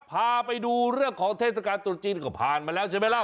พาไปดูเรื่องของเทศกาลตรุษจีนก็ผ่านมาแล้วใช่ไหมล่ะ